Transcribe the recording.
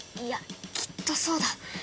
いやきっとそうだ！